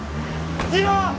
次郎！